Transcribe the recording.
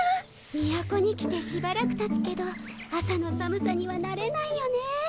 都に来てしばらくたつけど朝の寒さには慣れないよねぇ。